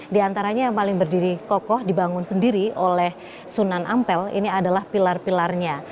di antaranya yang paling berdiri kokoh dibangun sendiri oleh sunan ampel ini adalah pilar pilarnya